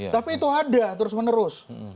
tapi itu ada terus menerus